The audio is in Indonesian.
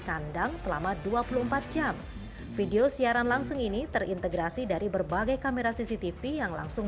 kandang selama dua puluh empat jam video siaran langsung ini terintegrasi dari berbagai kamera cctv yang langsung